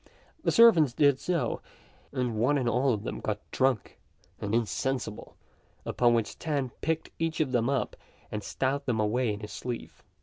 The servants did so, and one and all of them got drunk and insensible; upon which Tan picked each of them up and stowed them away in his sleeve.